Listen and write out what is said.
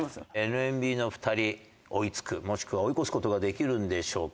ＮＭＢのお二人追いつくもしくは追い越す事ができるんでしょうか？